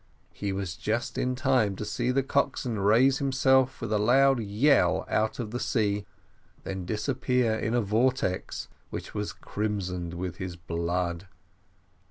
He was just in time to see the coxswain raise himself with a loud yell out of the sea, and then disappear in a vortex, which was crimsoned with his blood.